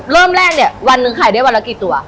เริ่มแรกเนี่ยวันหนึ่งขายได้วันละกี่ตัว